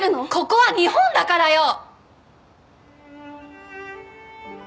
ここは日本だからよ！